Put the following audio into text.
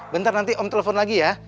bentar nanti om telpon lagi ya